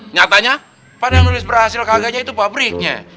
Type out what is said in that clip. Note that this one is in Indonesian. nyatanya pan yang nulis berhasil kagaknya itu pabriknya